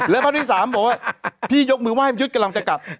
และภาพที่๓บอกว่าพี่ยกมือไห้พี่ยุทธ์กำลังจะกลับ